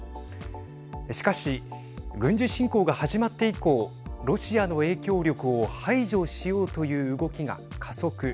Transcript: しかし、軍事侵攻が始まって以降ロシアの影響力を排除しようという動きが加速。